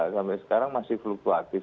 sampai sekarang masih fluktuatif